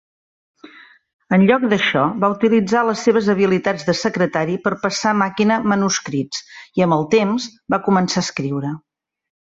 En lloc d'això, va utilitzar les seves habilitats de secretari per passar a màquina manuscrits, i amb el temps va començar a escriure.